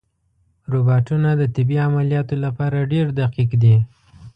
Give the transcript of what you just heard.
روبوټونه د طبي عملیاتو لپاره ډېر دقیق دي.